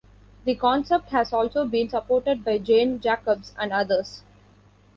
The concept has also been supported by Jane Jacobs and others.